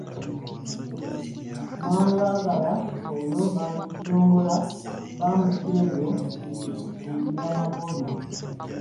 Mangagala oyo Abazongola baamuttira eyo mu biramago bye.